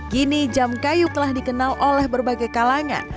gini jam kayu telah dikenal oleh berbagai kalangan